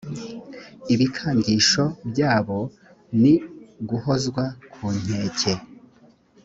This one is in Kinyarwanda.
ibikangisho byabo ni guhozwa ku nkeke